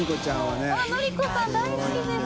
のり子さん大好きです！